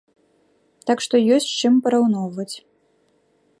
Так што ёсць з чым параўноўваць.